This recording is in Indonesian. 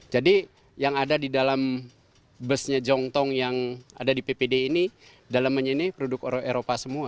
jadi yang ada di dalam busnya zongtong yang ada di ppd ini dalamnya ini produk eropa semua